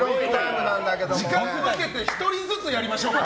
時間をかけて１人ずつやりましょうか。